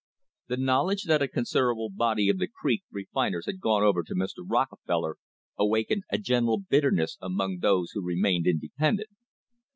The knowledge that a considerable body of the creek refiners had gone over to Mr. Rockefeller awakened a general bitterness among those who remained independent.